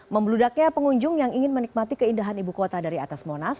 membeludaknya pengunjung yang ingin menikmati keindahan ibu kota dari atas monas